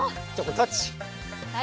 タッチ。